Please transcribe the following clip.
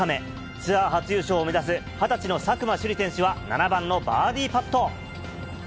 ツアー初優勝を目指す、２０歳の佐久間朱莉選手は、７番のバーディーパット。